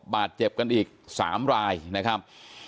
บาดเจ็บกันอีก๓รายนะครับ